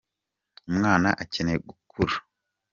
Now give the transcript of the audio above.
Umwana akeneye gukura.